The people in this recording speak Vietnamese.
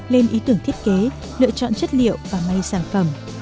lên ý tưởng thiết kế lựa chọn chất liệu và may sản phẩm